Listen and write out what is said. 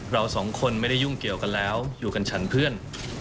เราสองคนไม่ได้ยุ่งเกี่ยวกันแล้วอยู่กันฉันเพื่อน